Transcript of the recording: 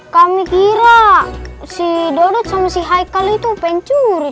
kami kira si dodot sama si haikal itu pencuri